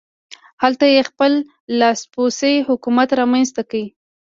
هلته یې خپل لاسپوڅی حکومت رامنځته کړ.